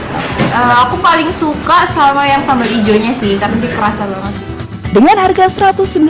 aku paling suka sama yang sambal hijaunya sih karena ini kerasa banget